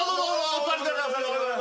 お座りください。